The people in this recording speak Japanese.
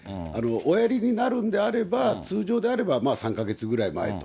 おやりになるんであれば、通常であれば３か月ぐらい前と。